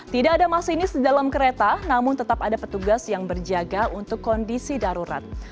tidak ada masinis di dalam kereta namun tetap ada petugas yang berjaga untuk kondisi darurat